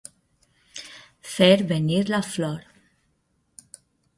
Fer venir la flor.